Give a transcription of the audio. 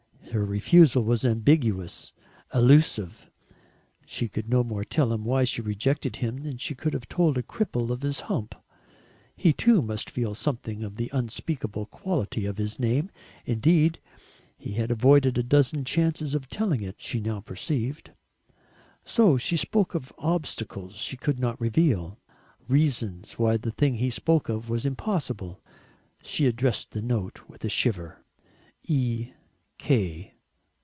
Her refusal was ambiguous, allusive. She could no more tell him why she rejected him than she could have told a cripple of his hump. He too must feel something of the unspeakable quality of his name. Indeed he had avoided a dozen chances of telling it, she now perceived. So she spoke of "obstacles she could not reveal" "reasons why the thing he spoke of was impossible." She addressed the note with a shiver, "E. K.